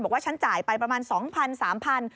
บอกว่าฉันจ่ายไปประมาณ๒๐๐๓๐๐บาท